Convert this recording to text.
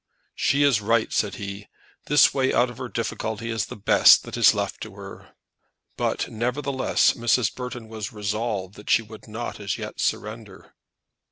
"She is right," said he. "That way out of her difficulty is the best that is left to her." But, nevertheless, Mrs. Burton was resolved that she would not as yet surrender.